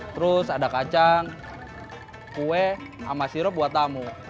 terus ada kacang kue sama sirup buat tamu